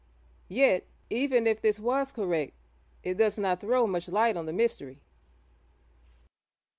Yet, even if this was correct, it does not throw much light on the mystery.